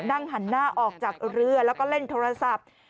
นั่งหันหน้าออกจากเรือแล้วก็เล่นโทรศัพท์